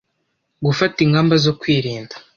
gufata ingamba zo kwirinda,